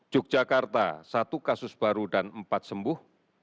yogyakarta satu kasus baru dan empat sembuh